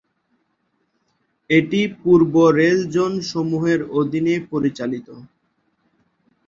এটি পূর্ব rail zone সমূহের অধীনে পরিচালিত।